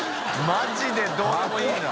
マジでどうでもいいんだ。